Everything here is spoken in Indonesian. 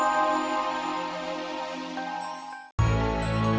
tuh lo udah jualan gue